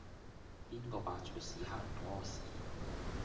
邊個霸住個屎坑唔痾屎